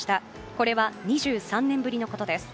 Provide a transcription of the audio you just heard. これは２３年ぶりのことです。